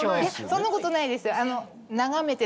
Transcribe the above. そんなことないですよ。